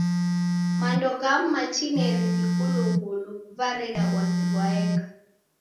Mando ghamu matineri vikulughulu vareda w'asi ghwaenga.